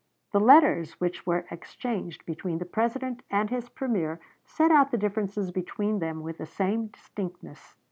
'" The letters which were exchanged between the President and his premier set out the differences between them with the same distinctness.